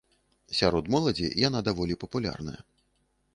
Сярод моладзі яна даволі папулярная.